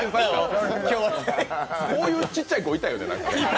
こういうちっちゃい子、いるよね。